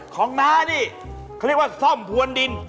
น้านี่เขาเรียกว่าซ่อมพวนดิน